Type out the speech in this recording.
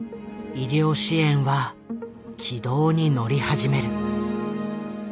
医療支援は軌道に乗り始める。